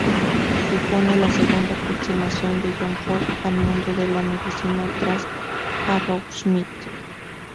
Supone la segunda aproximación de John Ford al mundo de la medicina tras "Arrowsmith".